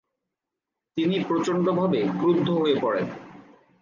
তিনি প্রচণ্ডভাবে ক্রুদ্ধ হয়ে পড়েন।